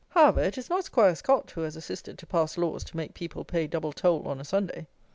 However, it is not 'Squire Scot who has assisted to pass laws to make people pay double toll on a Sunday.